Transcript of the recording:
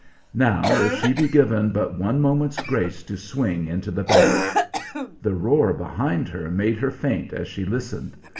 Now if she be given but one moment's grace to swing into the bank! The roar behind her made her faint as she listened.